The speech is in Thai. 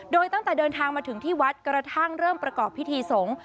โดยตั้งแต่เดินทางมาถึงที่วัดกระทั่งเริ่มประกอบพิธีสงฆ์